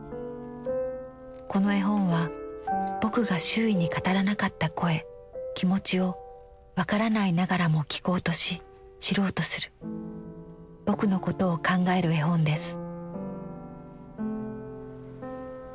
この絵本は『ぼく』が周囲に語らなかった声気持ちをわからないながらも聞こうとし知ろうとする『ぼく』のことを考える絵本です」。